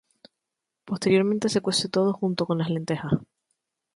Posteriormente se cuece todo junto con las lentejas.